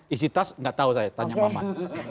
isi tas gak tahu saya tanya mamat